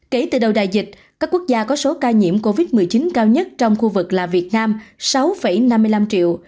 kể từ đầu đại dịch các quốc gia có số ca nhiễm covid một mươi chín cao nhất trong khu vực là việt nam sáu năm mươi năm triệu